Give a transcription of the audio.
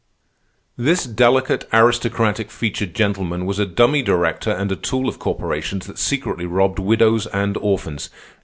"This delicate, aristocratic featured gentleman was a dummy director and a tool of corporations that secretly robbed widows and orphans.